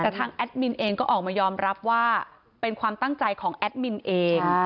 แต่ทางแอดมินเองก็ออกมายอมรับว่าเป็นความตั้งใจของแอดมินเอง